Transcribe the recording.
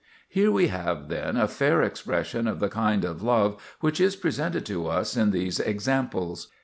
Here we have, then, a fair expression of the kind of love which is presented to us in these "Examples."